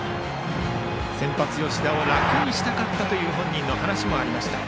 先発、吉田を楽にしたかったと本人の話もありました。